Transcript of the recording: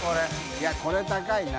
いこれ高いな。